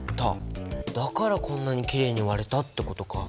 だからこんなにきれいに割れたってことか。